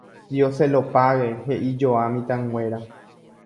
Dioselopáge, he'ijoa mitãnguéra